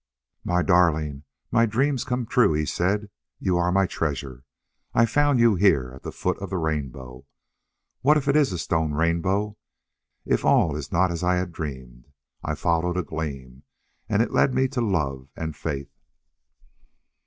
"My darling, my dream's come true," he said. "You are my treasure. I found you here at the foot of the rainbow!... What if it is a stone rainbow if all is not as I had dreamed? I followed a gleam. And it's led me to love and faith!"